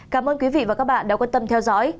cảm ơn quý vị và các bạn đã quan tâm theo dõi